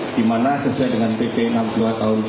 dimana sesuai dengan pp enam puluh dua tahun dua ribu tiga belas